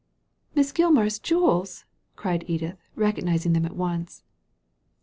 Miss Gilmar^s jewels 1 " cried Edith, recognizing them at once.